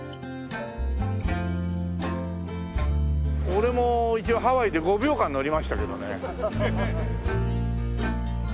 俺も一応ハワイで５秒間乗りましたけどね。